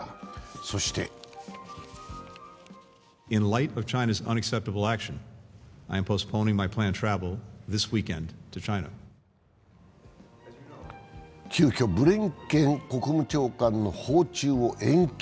そして急きょブリンケン国務長官の訪中を延期。